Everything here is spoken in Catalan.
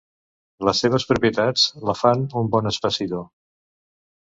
Les seves propietats la fan un bon espessidor.